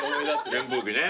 扇風機ね。